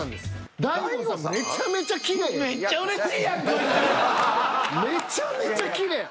めちゃめちゃきれい！